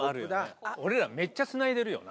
俺らめっちゃつないでるよな。